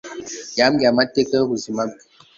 yambwiye amateka y'ubuzima bwe